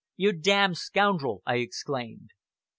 "You d d scoundrel!" I exclaimed.